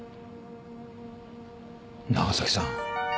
長崎さん。